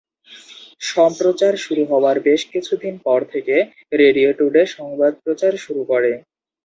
সম্প্রচার শুরু হওয়ার বেশ কিছুদিন পর থেকে রেডিও টুডে সংবাদ প্রচার শুরু করে।